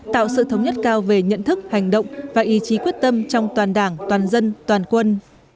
tạo sự thống nhất cao về nhận thức hành động và ý chí quyết tâm trong toàn đảng toàn dân toàn quân